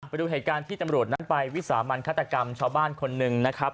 ไปดูเหตุการณ์ที่ตำรวจนั้นไปวิสามันฆาตกรรมชาวบ้านคนหนึ่งนะครับ